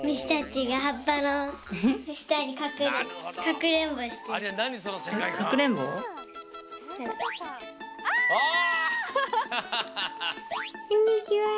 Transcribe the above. こんにちは！